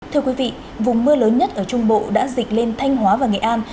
thưa quý vị vùng mưa lớn nhất ở trung bộ đã dịch lên thanh hóa và nghệ an